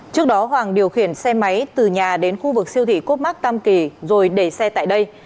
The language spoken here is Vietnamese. trước đó hoàng điều khiển xe máy từ nhà đến khu vực siêu thị cốt mắc tam kỳ rồi để xe tại đây